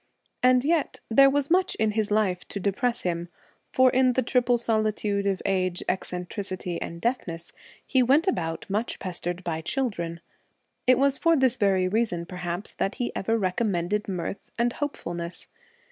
And yet there was much in his life to depress him, for in the triple solitude of age, eccentricity, and deafness, he went 4 about much pestered by children. It was A Teller for this very reason perhaps that he ever recommended mirth and hopefulness.